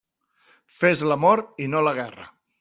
Fes l'amor i no la guerra.